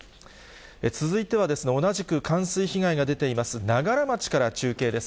続いては同じく冠水被害が出ています、長柄町から中継です。